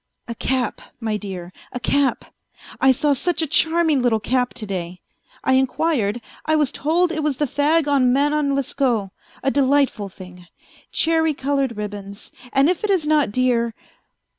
"A cap, my dear, a cap; I saw such a charming little cap to day. I inquired, I was told it was the fa$on Manon Lescaut 166 A FAINT HEART a delightful thing. Cherry coloured ribbons, and if it is not dear